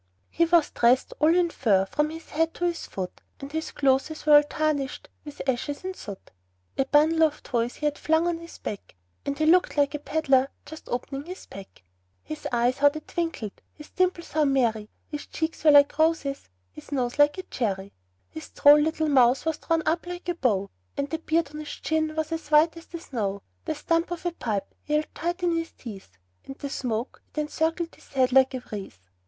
He was dressed all in fur from his head to his foot, And his clothes were all tarnished with ashes and soot; A bundle of toys he had flung on his back, And he looked like a peddler just opening his pack; His eyes how they twinkled! his dimples how merry! His cheeks were like roses, his nose like a cherry; His droll little mouth was drawn up like a bow, And the beard on his chin was as white as the snow; The stump of a pipe he held tight in his teeth, And the smoke, it encircled his head like a wreath.